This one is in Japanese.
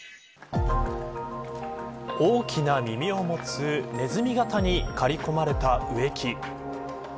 大きな耳を持つネズミ形に刈り込まれた植木。